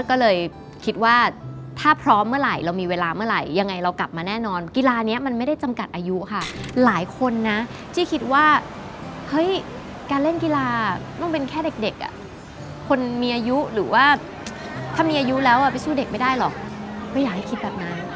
ก็เลยคิดว่าถ้าพร้อมเมื่อไหร่เรามีเวลาเมื่อไหร่ยังไงเรากลับมาแน่นอนกีฬานี้มันไม่ได้จำกัดอายุค่ะหลายคนนะที่คิดว่าเฮ้ยการเล่นกีฬาต้องเป็นแค่เด็กคนมีอายุหรือว่าถ้ามีอายุแล้วไปสู้เด็กไม่ได้หรอกไม่อยากให้คิดแบบนั้น